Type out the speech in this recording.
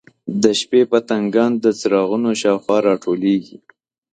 د شپې پتنګان د څراغونو شاوخوا راټولیږي.